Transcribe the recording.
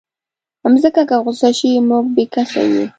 مځکه که غوسه شي، موږ بېکسه یو.